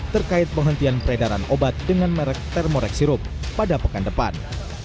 terkait penghentian peredaran obat dengan merek thermorex sirup pada pekan depan